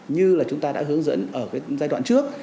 như là chúng ta đã hướng dẫn ở cái giai đoạn trước